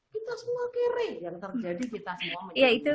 kita semua kere